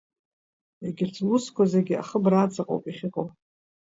Егьырҭ лусқәа зегьы ахыбра аҵаҟоуп иахьыҟоу.